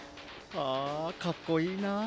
あかっこいいな。